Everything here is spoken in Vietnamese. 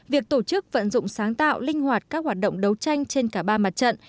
việc tổ chức vận dụng sáng tạo linh hoạt các hoạt động đấu tranh trên cả ba mặt trận